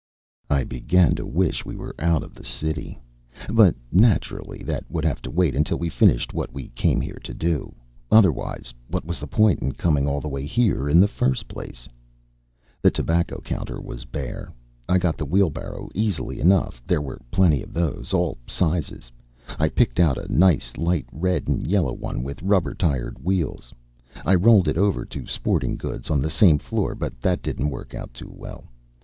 I began to wish we were out of the city. But naturally that would have to wait until we finished what we came here to do otherwise, what was the point of coming all the way here in the first place? The tobacco counter was bare. I got the wheelbarrow easily enough there were plenty of those, all sizes; I picked out a nice light red and yellow one with rubber tired wheel. I rolled it over to Sporting Goods on the same floor, but that didn't work out too well.